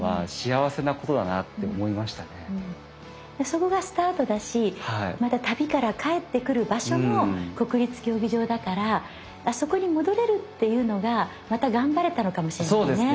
そこがスタートだしまた旅から帰ってくる場所も国立競技場だからあそこに戻れるっていうのがまた頑張れたのかもしれないね。